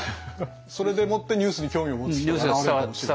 それでもってニュースに興味を持つ人が現れるかもしれない。